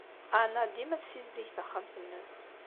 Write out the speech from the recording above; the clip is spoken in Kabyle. Anna dima tessizdig taxxamt-nnes.